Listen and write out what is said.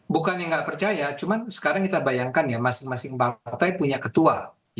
bukan yang nggak percaya cuman sekarang kita bayangkan ya masing masing partai punya ketua